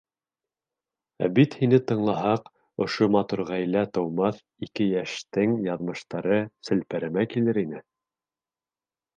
Ә бит һине тыңлаһаҡ, ошо матур ғаилә тыумаҫ, ике йәштең яҙмыштары селпәрәмә килер ине!